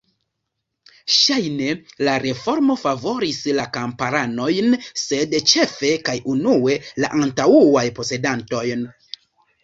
Ŝajne la reformo favoris la kamparanojn, sed ĉefe kaj unue la antaŭajn posedantojn.